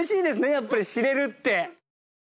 やっぱり知れるって。